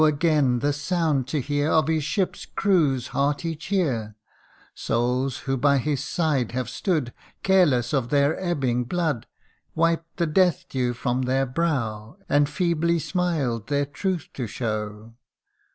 again the sound to hear Of his ship's crew's hearty cheer ! Souls who by his side have stood, Careless of their ebbing blood, THE CAPTIVE PIRATE. 199 Wiped the death dew from their brow, And feebly smiled their truth to show